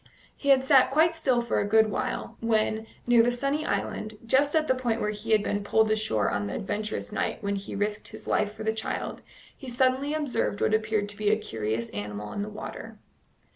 He had sat quite still for a good while, when, near the sunny island, just at the point where he had been pulled ashore on the adventurous night when he risked his life for the child, he suddenly observed what appeared to be a curious animal in the water.